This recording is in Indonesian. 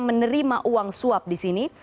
menerima uang suap di sini